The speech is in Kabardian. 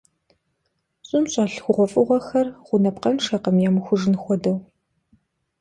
ЩӀым щӀэлъ хъугъуэфӀыгъуэхэр гъунапкъэншэкъым, ямыухыжын хуэдэу.